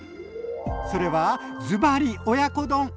それはずばり親子丼！